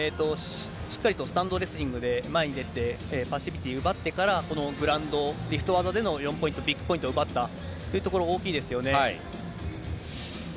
しっかりとスタンドレスリングで、前に出て、パッシビティ奪ってから、このグラウンド、リフト技での４ポイント、ビッグポイントを奪ったというところが大きいですよね。